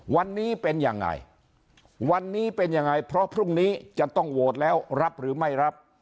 วันนี้เป็นยังไงวันนี้เป็นยังไงเพราะพรุ่งนี้จะต้องโหวตแล้วรับหรือไม่รับ